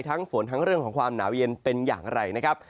ฝนทั้งเรื่องของความหนาวเย็นเป็นอย่างไรนะครับ